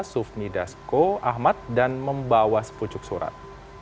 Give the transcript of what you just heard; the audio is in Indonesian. sufmi dasko ahmad dan membawa sepucuk surat